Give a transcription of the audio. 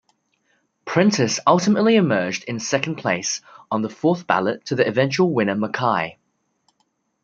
Prentice ultimately emerged in second-place on the fourth ballot to the eventual winner MacKay.